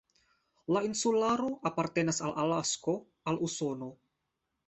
La insularo apartenas al Alasko, al Usono.